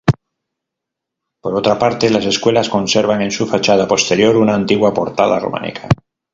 Por otra parte, las Escuelas conservan en su fachada posterior una antigua portada románica.